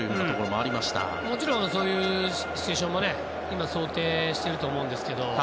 もちろん、そういうシチュエーションも想定していると思うんですけど